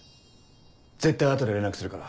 絶対後で連絡するから。